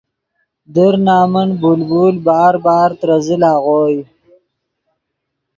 در نمن بلبل بار بار ترے زل اغوئے